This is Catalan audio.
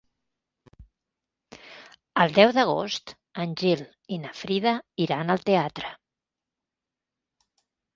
El deu d'agost en Gil i na Frida iran al teatre.